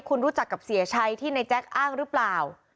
คุณรู้จักกับเสียชัยที่ในแจ๊คอ้างหรือเปล่า